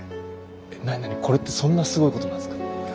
え何何これってそんなすごいことなんすか？